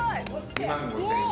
２万５，０００円。